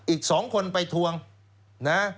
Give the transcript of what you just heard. อีก๒คนไปทวงนะ